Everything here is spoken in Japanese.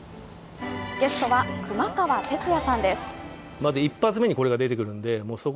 ゲストは熊川哲也さんです。